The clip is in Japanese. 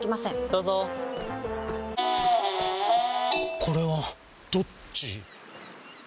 どうぞこれはどっち？